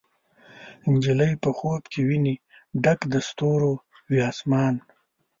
نجلۍ په خوب کې ویني ډک د ستورو، وي اسمان